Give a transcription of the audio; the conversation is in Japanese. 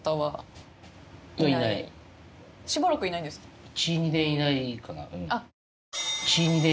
しばらくいないんですか？